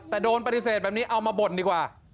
แต่โดนปฏิเสธแบบนี้เอามาบ่นดีกว่า